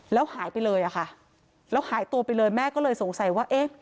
แล้วหายไปเลยอะค่ะแล้วหายตัวไปเลยแม่ก็เลยสงสัยว่าเอ๊ะ